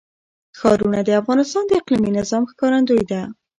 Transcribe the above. ښارونه د افغانستان د اقلیمي نظام ښکارندوی ده.